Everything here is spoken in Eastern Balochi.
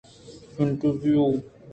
انٹرویو